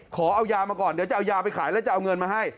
ขอเอายามาก่อนเดี๋ยวจะเอายาไปขายแล้วจะเอาเงินมาให้